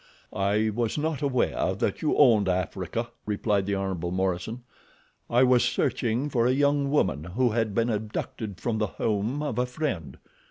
"I was not aware that you owned Africa," replied the Hon. Morison. "I was searching for a young woman who had been abducted from the home of a friend.